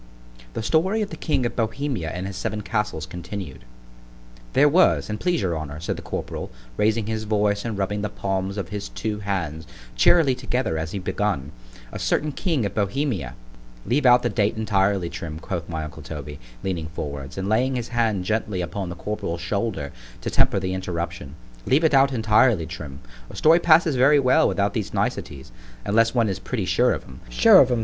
THE STORY OF THE KING OF BOHEMIA AND HIS SEVEN CASTLES, CONTINUED THERE was, an' please your honour, said the corporal, raising his voice and rubbing the palms of his two hands cheerily together as he begun, a certain king of Bohemia—— ——Leave out the date entirely, Trim, quoth my uncle Toby, leaning forwards, and laying his hand gently upon the corporal's shoulder to temper the interruption—leave it out entirely, Trim; a story passes very well without these niceties, unless one is pretty sure of 'em——Sure of 'em!